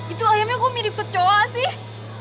itu ayamnya kok mirip kecoa sih